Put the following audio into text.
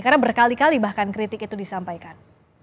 karena berkali kali bahkan kritik itu disampaikan